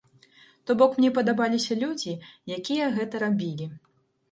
То бок мне падабаліся людзі, якія гэта рабілі.